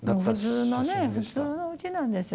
普通のね、普通のうちなんですよ。